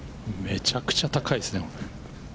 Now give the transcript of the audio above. めちゃくちゃ高いですね。